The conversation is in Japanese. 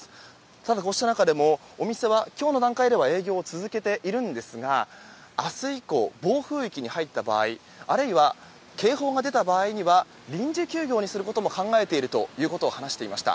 ただ、こうした中でもお店は今日の段階では営業を続けているんですが明日以降、暴風域に入った場合あるいは、警報が出た場合には臨時休業にすることも考えているということを話していました。